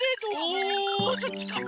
おおそっちか！